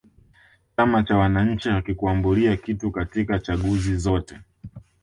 chama cha wananchi hakikuambulia kitu katika chaguzi zote